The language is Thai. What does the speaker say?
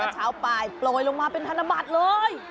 เช้าปลายโปรยลงมาเป็นธนบัตรเลย